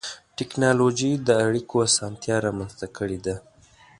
ټکنالوجي د اړیکو اسانتیا رامنځته کړې ده.